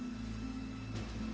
tim liputan cnn indonesia